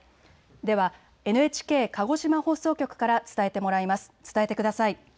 ではＮＨＫ鹿児島放送局から伝えてもらいます。